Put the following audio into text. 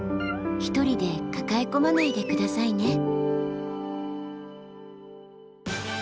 一人で抱え込まないで下さいね。